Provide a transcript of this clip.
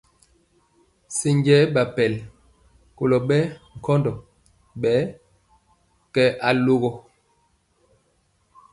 Senje ɓakpɛl kolo ɓɛ nkɔndɔ ɓɛ kenɛ ɓaa kɛ alogɔ.